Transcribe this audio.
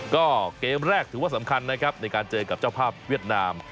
ก็เกมแรกถือว่าสำคัญนะครับในการเจอกับเจ้าภาพเวียดนาม